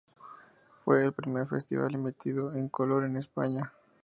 Fue el primer festival emitido en color en España.